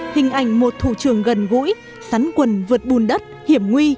hình ảnh một thủ trường gần gũi sắn quần vượt bùn đất hiểm nguy